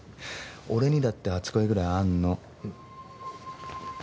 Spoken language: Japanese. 俺にだって初恋ぐらいあんの。